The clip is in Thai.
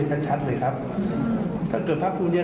ก็บอกว่ามันไม่ได้คุยอะไร